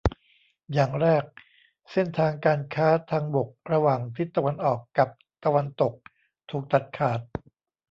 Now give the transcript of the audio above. อย่างแรก เส้นทางการค้าทางบกระหว่างทิศตะวันออกกับตะวันตกถูกตัดขาด